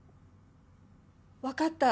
わかった。